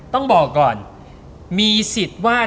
ต้องบอกก่อนมีสิทธิ์ว่า